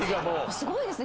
すごいですね。